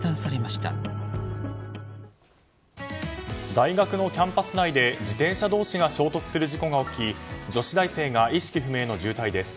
大学のキャンパス内で自転車同士が衝突する事故が起き女子大生が意識不明の重体です。